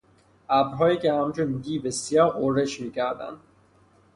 ابرهایی که همچون دیو سیاه غرش میکردند